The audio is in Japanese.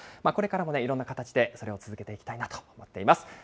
これからもいろんな形でそれを続けていきたいなと思っています。